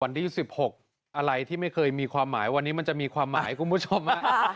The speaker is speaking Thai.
วันที่๑๖อะไรที่ไม่เคยมีความหมายวันนี้มันจะมีความหมายคุณผู้ชม